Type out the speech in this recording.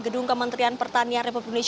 gedung kementerian pertanian republik